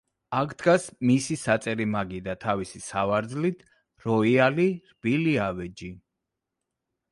აქ დგას მისი საწერი მაგიდა თავისი სავარძლით, როიალი, რბილი ავეჯი.